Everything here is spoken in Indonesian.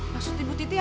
maksud ibu titi apa